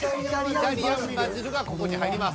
イタリアンバジルがここに入ります。